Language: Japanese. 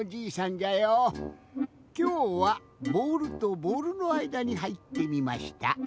きょうはボールとボールのあいだにはいってみました。